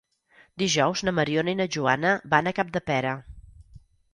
Dijous na Mariona i na Joana van a Capdepera.